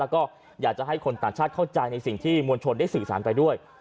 ก็อยากจะให้คนต่างชาติเข้าใจในสิ่งที่มวลชนได้สื่อสารไปด้วย